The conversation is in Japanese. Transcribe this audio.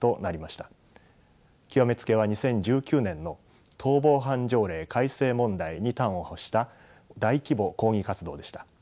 極め付けは２０１９年の逃亡犯条例改正問題に端を発した大規模抗議活動でした。